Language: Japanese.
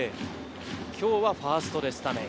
今日はファーストでスタメン。